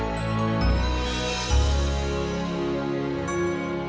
dia selalu terperang